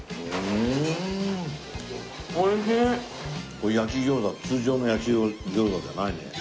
これ焼き餃子通常の焼き餃子じゃないね。